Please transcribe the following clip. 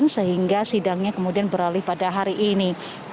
sehingga sidangnya kemudian beralih pada hari ini